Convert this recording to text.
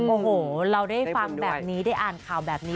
โอ้โหเราได้ฟังแบบนี้ได้อ่านข่าวแบบนี้